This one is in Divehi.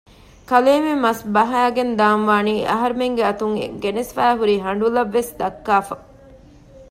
ކަލޭމެން މަސްބަހައިގެން ދާންވާނީ އަހަރުމެންގެ އަތުން ގެނެސްފައިހުރި ހަނޑުލަށް ވެސް ދައްކާފަ